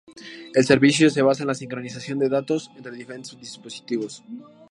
El servicio se basa en la sincronización de datos entre diferentes dispositivos.